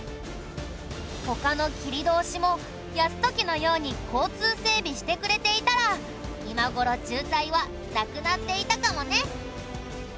他の切通も泰時のように交通整備してくれていたら今頃渋滞はなくなっていたかもね。